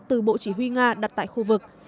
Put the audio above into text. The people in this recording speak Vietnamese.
từ bộ chỉ huy nga đặt tại khu vực